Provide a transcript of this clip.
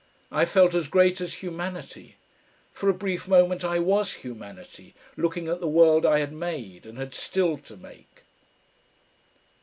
I felt as great as humanity. For a brief moment I was humanity, looking at the world I had made and had still to make....